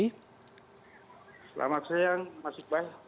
selamat siang mas iqbal